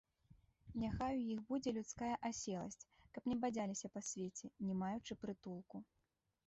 Няхай у іх будзе людская аселасць, каб не бадзяліся па свеце, не маючы прытулку.